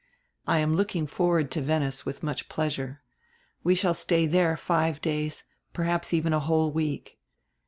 I am looking forward to Venice with much pleasure. We shall stay diere five days, perhaps even a whole week.